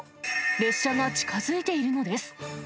列車が近づいているのです。